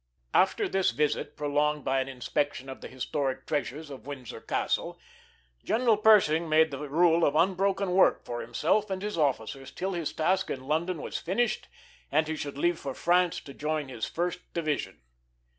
After this visit, prolonged by an inspection of the historic treasures of Windsor Castle, General Pershing made the rule of unbroken work for himself and his officers till his task in London was finished and he should leave for France to join his First Division.